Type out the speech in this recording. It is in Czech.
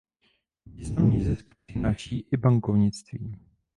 Významný zisk přináší i bankovnictví.